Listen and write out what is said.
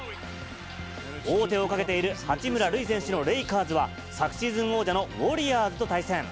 王手をかけている八村塁選手のレイカーズは昨シーズン王者のウォリアーズと対戦。